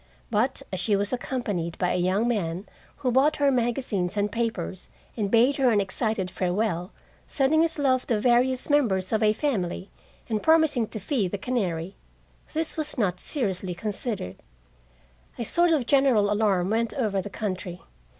But as she was accompanied by a young man, who bought her magazines and papers, and bade her an excited farewell, sending his love to various members of a family, and promising to feed the canary, this was not seriously considered. A sort of general alarm went over the country.